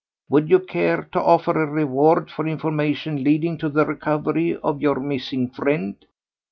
Would you care to offer a reward for information leading to the recovery of your missing friend?"